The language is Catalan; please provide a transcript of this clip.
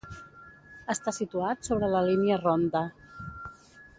Està situat sobre la línia Rhondda.